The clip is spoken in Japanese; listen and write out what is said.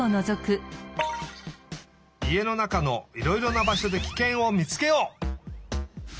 家の中のいろいろなばしょでキケンをみつけよう！